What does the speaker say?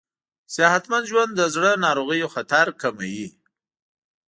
صحتمند ژوند د زړه ناروغیو خطر کموي.